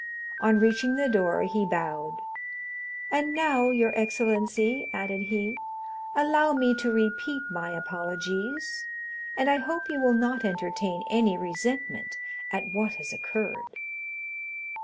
On reaching the door, he bowed. "And now, your excellency," added he, "allow me to repeat my apologies, and I hope you will not entertain any resentment at what has occurred."